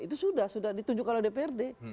itu sudah sudah ditunjukkan oleh dprd